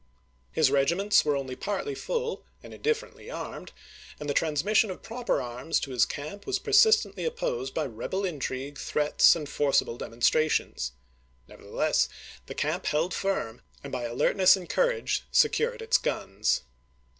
His regiments were only partly full and indifferently armed, and the transmission of proper arms to his camp was persistently opposed by rebel intrigue, threats, and forcible demonstrations. Nevertheless the camp held firm, and by alertness and courage secured its guns.